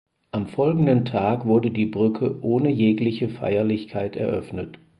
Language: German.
Am folgenden Tag wurde die Brücke ohne jegliche Feierlichkeit eröffnet.